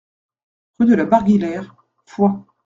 Rue de la Barguillère, Foix